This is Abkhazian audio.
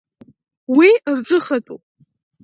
Уи рҿыхатәуп.